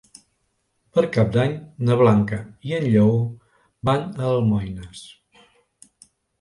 Per Cap d'Any na Blanca i en Lleó van a Almoines.